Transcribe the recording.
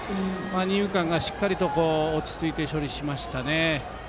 二遊間がしっかりと落ち着いて処理しましたね。